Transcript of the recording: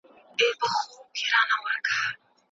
یو شته من وو یو قصاب وو په بازار کي